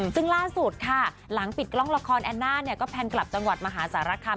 ซึ่งล่าสุดค่ะหลังปิดกล้องละครแอนน่าเนี่ยก็แพนกลับจังหวัดมหาสารคาม